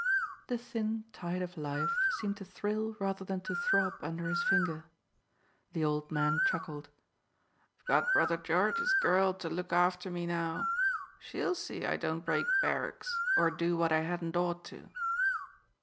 The thin tide of life seemed to thrill rather than to throb under his finger. The old man chuckled. "I've got brother Jarge's girl to look after me now. She'll see I don't break barracks or do what I hadn't ought to.